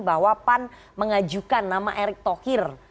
bahwa pan mengajukan nama erick thohir